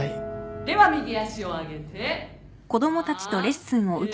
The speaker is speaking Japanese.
では右足を上げて１エン。